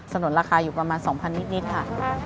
นุนราคาอยู่ประมาณ๒๐๐นิดค่ะ